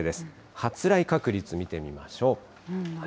発雷確率見てみましょう。